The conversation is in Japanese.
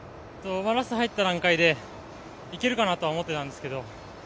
ラスト入った段階でいけるかなとは思っていたんですけど